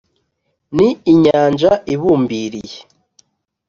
Ni inyanja ibumbiriye,